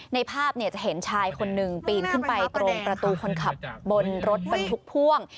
ในภาพจะเห็นชายคนหนึ่งปีนขึ้นไปตรงประตูคนขับบนรถบรรทุกพ่วง